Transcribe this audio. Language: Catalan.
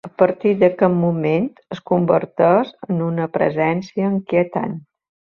A partir d’aquest moment, es converteix en una presència inquietant.